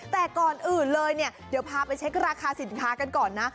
แต่ก่อนอื่นเลยเนี่ยเดี๋ยวพาไปเช็คราคาสินค้ากันก่อนนะ